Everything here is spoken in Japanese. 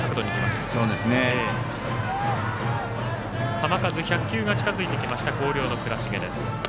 球数１００球が近づいてきました広陵の倉重です。